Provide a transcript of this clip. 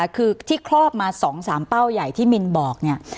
คือที่ครอบมา๒๓เป้าใหญ่ที่มินบอกเนี่ย